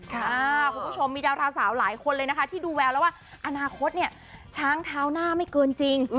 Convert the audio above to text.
คุณผู้ชมมีดาราสาวหลายคนเลยนะคะที่ดูแววแล้วว่าอนาคตเนี่ยช้างเท้าหน้าไม่เกินจริง